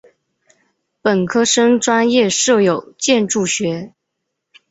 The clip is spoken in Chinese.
本科生专业设有建筑学。